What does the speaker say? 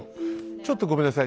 ちょっとごめんなさい